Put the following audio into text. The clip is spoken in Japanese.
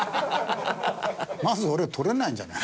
まず俺取れないんじゃない？